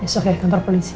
besok ya ke kantor polisi